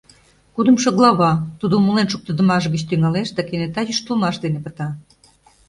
Кудымшо глава, тудо умылен шуктыдымаш гыч тӱҥалеш да кенета йӱштылмаш дене пыта